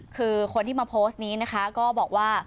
คือคนที่มาโพสต์นี้นะคะก็บอกว่า